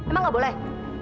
emang gak boleh